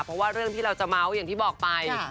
เพราะว่าเรื่องที่เราจะเมาส์อย่างที่บอกไป